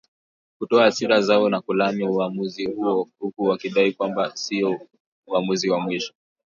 kutoa hasira zao na kulaani uwamuzi huo huku wakidai kwamba huo sio uwamuzi wa mwisho